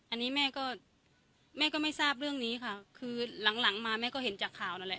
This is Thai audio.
อันนี้แม่ก็แม่ก็ไม่ทราบเรื่องนี้ค่ะคือหลังมาแม่ก็เห็นจากข่าวนั่นแหละ